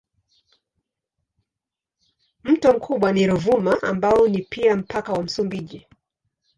Mto mkubwa ni Ruvuma ambao ni pia mpaka wa Msumbiji.